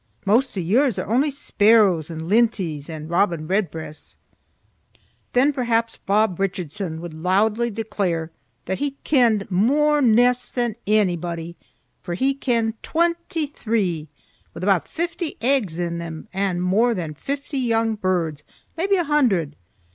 Maist of yours are only sparrows and linties and robin redbreasts." Then perhaps Bob Richardson would loudly declare that he "kenned mair nests than onybody, for he kenned twenty three, with about fifty eggs in them and mair than fifty young birds—maybe a hundred.